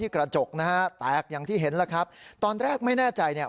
กระจกนะฮะแตกอย่างที่เห็นแล้วครับตอนแรกไม่แน่ใจเนี่ย